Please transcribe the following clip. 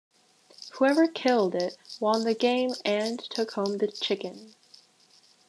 Whoever killed it won the game and took home the chicken.